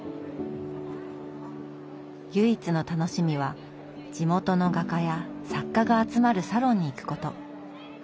唯一の楽しみは地元の画家や作家が集まるサロンに行くこと。